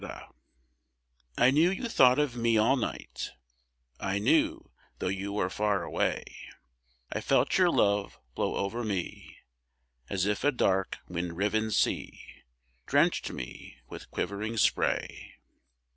Spray I knew you thought of me all night, I knew, though you were far away; I felt your love blow over me As if a dark wind riven sea Drenched me with quivering spray.